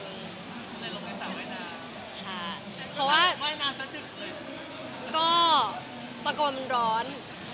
เอ็ดส์จะลงเป็นสาวแย่นาน